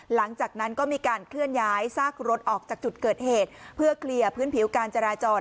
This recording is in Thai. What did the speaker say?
หลังจากนั้นก็มีการเคลื่อนย้ายซากรถออกจากจุดเกิดเหตุเพื่อเคลียร์พื้นผิวการจราจร